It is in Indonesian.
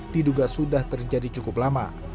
diduga sudah terjadi cukup lama